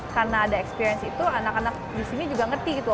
karena ada experience itu anak anak di sini juga ngerti gitu